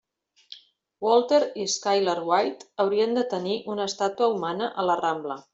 Walter i Skyler White haurien de tenir una estàtua humana a la Rambla.